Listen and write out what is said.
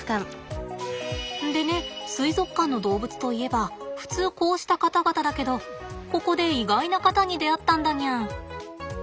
でね水族館の動物といえば普通こうした方々だけどここで意外な方に出会ったんだにゃん。